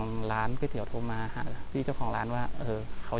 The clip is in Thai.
กลับมาที่สุดท้ายและกลับมาที่สุดท้าย